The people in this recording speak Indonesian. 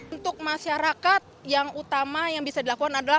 untuk masyarakat yang utama yang bisa dilakukan adalah